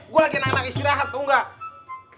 gue lagi anak anak istirahat tau gak